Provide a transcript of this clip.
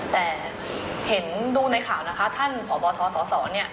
แต่เห็นดูในข่าวนะคะท่านพบทสสเนี่ย